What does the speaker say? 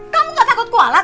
kamu gak takut kualat